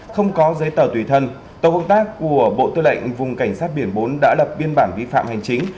không có giấy tờ tùy thân tổ công tác của bộ tư lệnh vùng cảnh sát biển bốn đã lập biên bản vi phạm hành chính